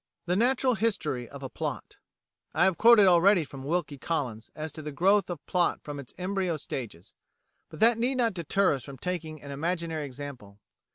The Natural History of a Plot I have quoted already from Wilkie Collins as to the growth of plot from its embryo stages, but that need not deter us from taking an imaginary example.